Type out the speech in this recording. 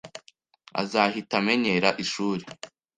Azahita amenyera ishuri.